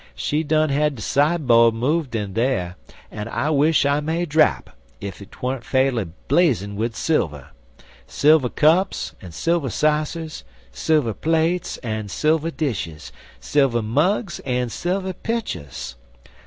She done had de sidebo'd move in dar, en I wish I may drap ef 'twuzn't fa'rly blazin' wid silver silver cups en silver sassers, silver plates en silver dishes, silver mugs en silver pitchers.